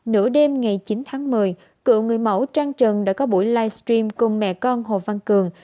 nửa đêm ngày chín tháng một mươi cựu người mẫu trang trần đã có buổi livestream cùng mẹ con hồ văn cường